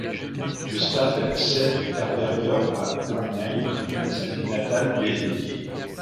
Le stade Sepp-Herberger à Weinheim sa ville natale lui est dédié.